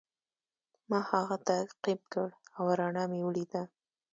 ما هغه تعقیب کړ او رڼا مې ولیده.